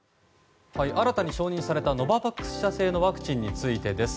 新たに承認されたノババックス製のワクチンについてです。